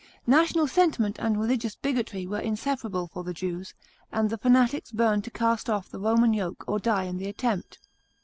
National sentiment and religious bigotry were inseparable for the Jews ; and the fanatics burned to cast off the Roman yoke or die in the attempt.